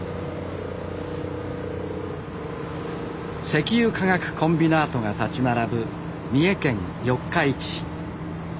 石油化学コンビナートが立ち並ぶ三重県四日市市。